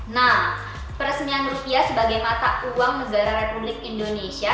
nah peresmian rupiah sebagai mata uang negara republik indonesia